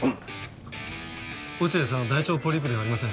落合さんは大腸ポリープではありません。